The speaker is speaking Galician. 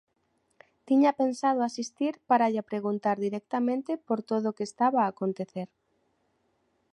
Tiña pensado asistir para lle preguntar directamente por todo o que estaba a acontecer.